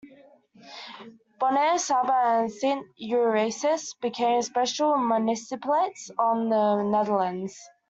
Bonaire, Saba, and Sint Eustatius became special municipalities of the Netherlands.